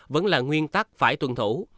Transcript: vẫn là nguyên tắc phải tuân thủ